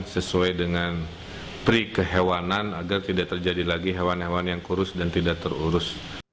sesuai dengan pri kehewanan agar tidak terjadi lagi hewan hewan yang kurus dan tidak terurus